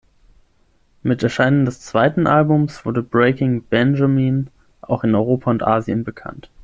Mit Erscheinen des zweiten Albums wurde Breaking Benjamin auch in Europa und Asien bekannt.